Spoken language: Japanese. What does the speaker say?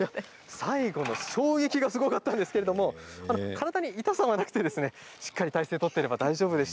最後の衝撃がすごかったですけれども、体に痛さはなくてしっかり体勢を取っていれば大丈夫です。